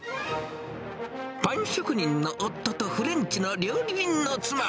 パン職人の夫とフレンチの料理人の妻。